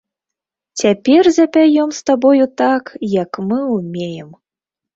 Цяпер запяём з табою так, як мы ўмеем!